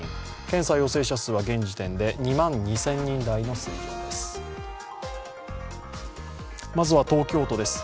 検査陽性者数は現時点で２万２０００人台の水準です。